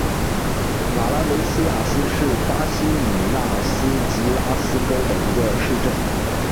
马拉维利亚斯是巴西米纳斯吉拉斯州的一个市镇。